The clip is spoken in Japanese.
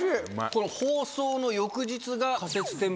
この放送の翌日が。